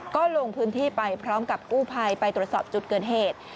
ก็ลงพื้นที่ไปพร้อมกับกู้ภัยไปตรวจสอบจุดเกิดเหตุ